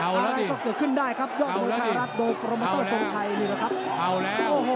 อะไรก็เกิดขึ้นได้ครับโดรมโอต้สองทัยมีแหละครับ